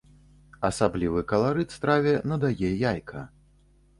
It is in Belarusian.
Асаблівы каларыт страве надае яйка.